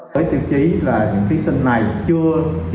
với tiêu chí là những thí sinh này chưa